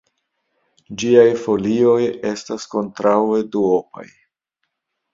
Ĝiaj folioj estas kontraŭe duopaj.